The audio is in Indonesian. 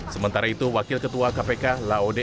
sementara itu wakil ketua kpk laode